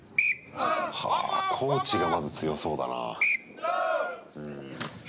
はぁ、コーチがまず強そうだな。